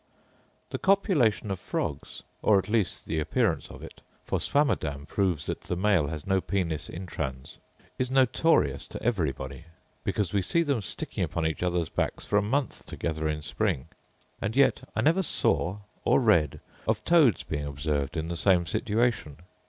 The copulation of frogs (or at least the appearance of it; for Swammerdam proves that the male has no penis intrans) is notorious to everybody: because we see them sticking upon each other's backs for a month together in spring: and yet I never saw, or read, of toads being observed in the same situation.